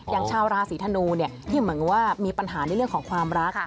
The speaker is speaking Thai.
ชาวราศีธนูเนี่ยที่เหมือนว่ามีปัญหาในเรื่องของความรัก